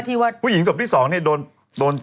ที่ว่าผู้หญิงศพที่๒นี่โดนกิดลอง